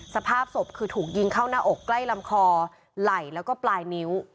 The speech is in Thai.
สภาพศพคือถูกยิงเข้าหน้าอกใกล้ลำคอไหล่แล้วก็ปลายนิ้ว